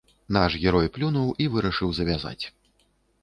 Наш герой плюнуў і вырашыў завязаць.